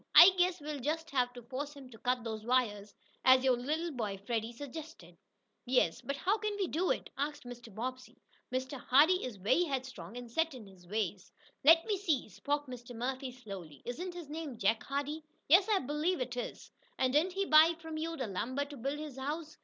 I guess we'll just have to force him to cut those wires, as your little boy, Freddie, suggested." "Yes, but how can we do it?" asked Mr. Bobbsey. "Mr. Hardee is very headstrong, and set in his ways." "Let me see," spoke Mr. Murphy slowly, "isn't his name Jake Hardee?" "Yes, I believe it is." "And didn't he buy from you the lumber to build his house?"